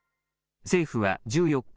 政府は１４日